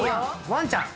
ワンちゃん！